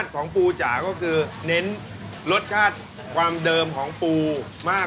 เนื้อปูเนื้อหมูแน่นมาก